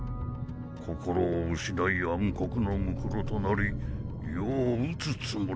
心を失い暗黒の骸となり余を討つつもりか。